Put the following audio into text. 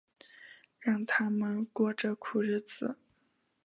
让他们过着苦日子